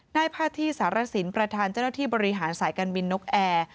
พาที่สารสินประธานเจ้าหน้าที่บริหารสายการบินนกแอร์